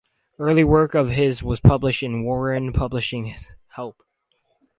Early work of his was published in Warren Publishing's Help!